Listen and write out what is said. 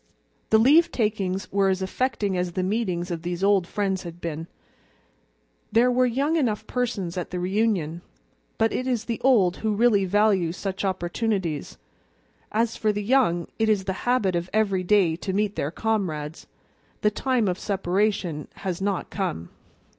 The leave takings were as affecting as the meetings of these old friends had been. There were enough young persons at the reunion, but it is the old who really value such opportunities; as for the young, it is the habit of every day to meet their comrades, the time of separation has not come.